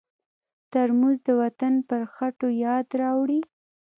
ترموز د وطن پر خټو یاد راوړي.